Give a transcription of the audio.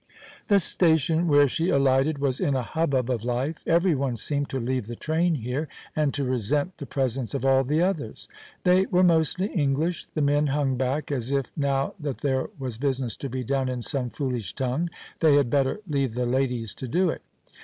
The station where she alighted was in a hubbub of life; everyone seemed to leave the train here, and to resent the presence of all the others. They were mostly English. The men hung back, as if, now that there was business to be done in some foolish tongue, they had better leave the ladies to do it.